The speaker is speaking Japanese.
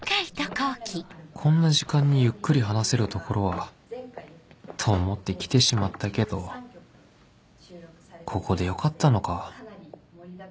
こんな時間にゆっくり話せる所はと思って来てしまったけどここでよかったのか？